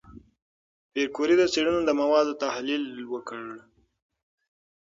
پېیر کوري د څېړنو د موادو تحلیل وکړ.